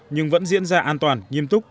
nhưng vẫn diễn ra an toàn nghiêm túc